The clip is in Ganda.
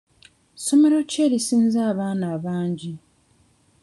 Ssomero ki erisinza abaana abangi?